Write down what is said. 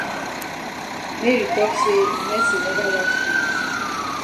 Mary tok say Mercy never wash clean.